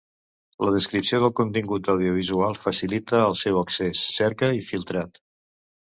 La descripció del contingut audiovisual facilita el seu accés, cerca i filtrat.